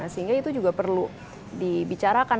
sehingga itu juga perlu dibicarakan